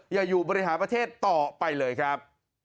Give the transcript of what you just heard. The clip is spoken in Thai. อย่าอยู่บริหารประเทศต่อไปเลยครับ